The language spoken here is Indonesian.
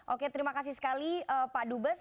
oke terima kasih sekali pak dubes